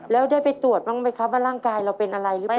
แล้วได้ไปตรวจบ้างไหมครับว่าร่างกายเราเป็นอะไรหรือเปล่า